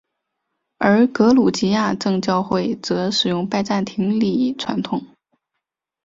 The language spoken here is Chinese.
而格鲁吉亚正教会则使用拜占庭礼传统。